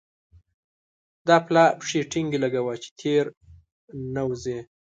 دا پلا پښې ټينګې لګوه چې تېر نه وزې.